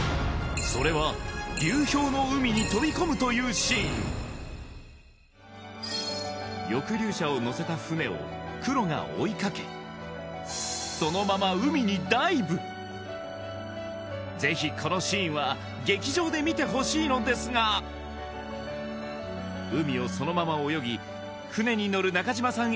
それは流氷の海に飛び込むというシーン抑留者を乗せた船をクロが追いかけそのまま海にダイブぜひこのシーンは劇場で見てほしいのですが海をそのまま泳ぎ船に乗る中島さん